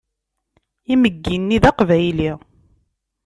Imeggi-nni d Aqbayli.